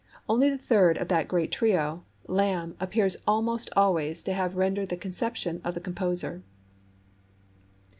Only the third of that great trio, Lamb, appears almost always to have rendered the conception of the composer.